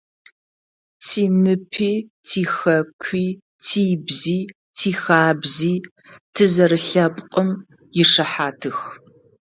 Тиныпи, тихэкуи, тыбзи, тихабзи тызэрэлъэпкъым ишыхьатых.